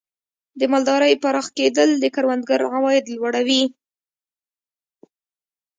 د مالدارۍ پراخېدل د کروندګر عواید لوړوي.